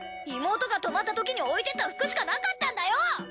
妹が泊まったときに置いてった服しかなかったんだよ！